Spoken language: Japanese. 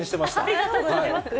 ありがとうございます。